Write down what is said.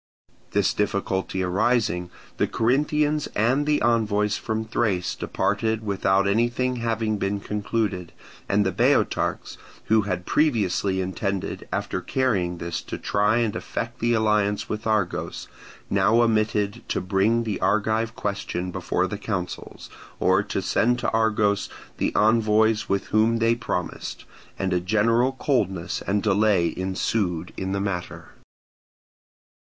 This difficulty arising, the Corinthians and the envoys from Thrace departed without anything having been concluded; and the Boeotarchs, who had previously intended after carrying this to try and effect the alliance with Argos, now omitted to bring the Argive question before the councils, or to send to Argos the envoys whom they had promised; and a general coldness and delay ensued in the matter.